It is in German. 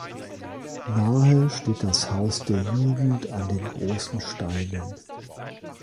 Nahe steht das "Haus der Jugend an den Großen Steinen".